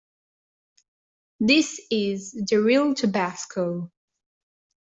This is the real tabasco.